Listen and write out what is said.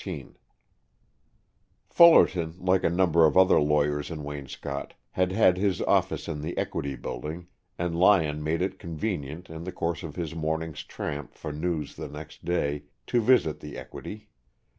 CHAPTER XIV Fullerton, like a number of other lawyers in Waynscott, had had his office in the Equity Building, and Lyon made it convenient, in the course of his morning's tramp for news the next day, to visit the Equity.